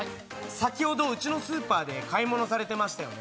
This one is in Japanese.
先ほどうちのスーパーで買い物されてましたよね？